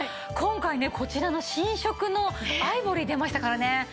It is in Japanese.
今回ねこちらの新色のアイボリー出ましたからね。